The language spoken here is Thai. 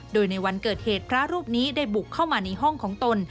โดยในวันเกิดเหตุพระรูปนี้ได้บุกเข้ามาในห้องของตน